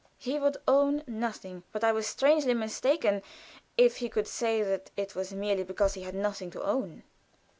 He would own nothing; but I was strangely mistaken if he could say that it was merely because he had nothing to own.